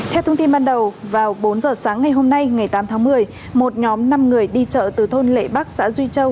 theo thông tin ban đầu vào bốn giờ sáng ngày hôm nay ngày tám tháng một mươi một nhóm năm người đi chợ từ thôn lệ bắc xã duy châu